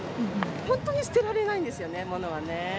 本当に捨てられないんですよね、物がね。